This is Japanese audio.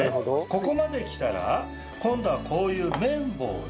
ここまできたら今度はこういう麺棒で軽くです。